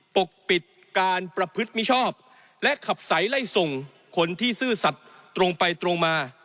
ปกปิดการประพฤติมิชอบและขับใสไล่ส่งคนที่ซื่อสัตว์ตรงไปตรงมา